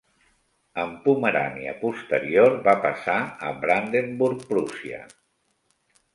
Amb Pomerània Posterior va passar a Brandenburg-Prússia.